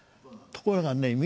ところがね